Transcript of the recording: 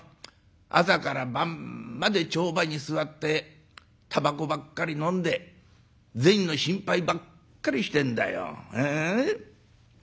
朝から晩まで帳場に座ってたばこばっかりのんで銭の心配ばっかりしてんだよ。